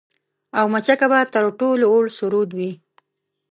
او مچکه به تر ټولو وُړ سرود وي